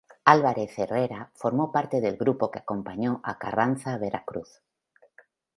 Álvarez Herrera formó parte del grupo que acompañó a Carranza a Veracruz.